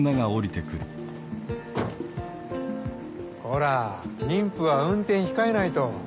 こら妊婦は運転控えないと。